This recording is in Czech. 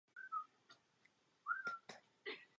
Dictionary.com.